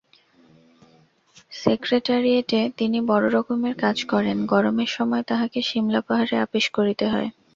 সেক্রেটারিয়েটে তিনি বড়োরকমের কাজ করেন, গরমের সময় তাঁহাকে সিমলা পাহাড়ে আপিস করিতে হয়।